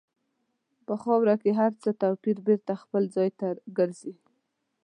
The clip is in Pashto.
په خاوره کې هر څه بېرته خپل ځای ته ګرځي.